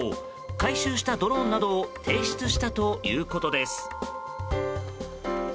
回収したドローンなどを提出したということです。